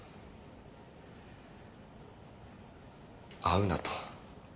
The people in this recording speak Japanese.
会うなと。